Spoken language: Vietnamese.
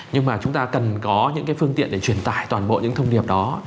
nhưng mà chúng ta cần có những cái phương tiện để truyền tải toàn bộ những thông điệp đó